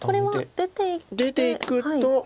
出ていくと。